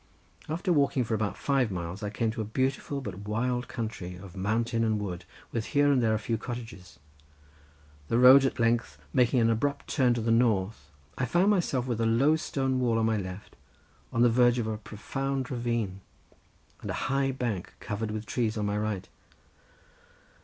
After walking for about five miles I came to a beautiful but wild country of mountain and wood with here and there a few cottages. The road at length making an abrupt turn to the north I found myself with a low stone wall on my left on the verge of a profound ravine, and a high bank covered with trees on my right.